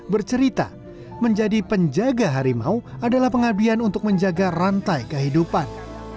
bercerita menjadi penjaga harimau adalah pengabdian untuk menjaga rantai kehidupan